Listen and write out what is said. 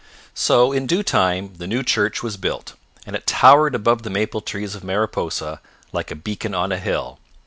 So in due time the New Church was built and it towered above the maple trees of Mariposa like a beacon on a hill.